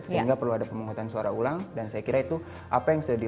sehingga perlu ada pemungutan suara ulang dan saya kira itu apa yang sudah di